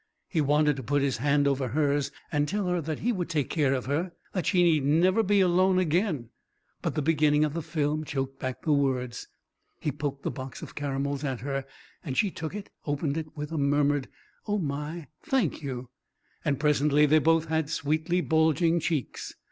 He wanted to put his hand over hers and tell her that he would take care of her, that she need never be alone again. But the beginning of the film choked back the words. He poked the box of caramels at her, and she took it, opened it with a murmured "Oh, my, thank you!" Presently they both had sweetly bulging cheeks.